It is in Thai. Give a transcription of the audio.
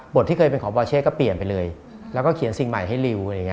บทที่เคยเป็นของบอร์เช่ก็เปลี่ยนไปเลยแล้วก็เขียนสิ่งใหม่ให้ริว